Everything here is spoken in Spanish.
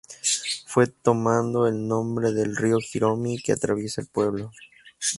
Fue tomado del nombre del Río Hiromi, que atraviesa el pueblo.